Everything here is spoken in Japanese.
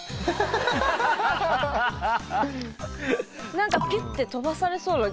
何かピュッて飛ばされそうな気もしない？